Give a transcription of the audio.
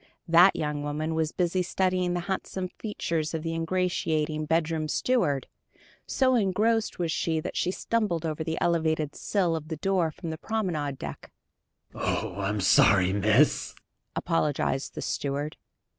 That young woman was busy studying the handsome features of the ingratiating bedroom steward. So engrossed was she that she stumbled over the elevated sill of the door from the promenade deck. "Oh, I'm so sorry, miss!" apologized the steward.